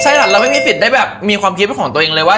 ใช่ค่ะเราไม่มีสิทธิ์ได้แบบมีความคิดของตัวเองเลยว่า